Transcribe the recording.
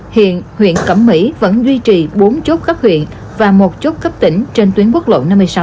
hiện huyện cẩm mỹ vẫn duy trì bốn chốt cấp huyện và một chốt cấp tỉnh trên tuyến quốc lộ năm mươi sáu